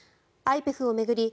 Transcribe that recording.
ＩＰＥＦを巡り